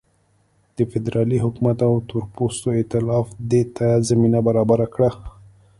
د فدرالي حکومت او تورپوستو اېتلاف دې ته زمینه برابره کړه.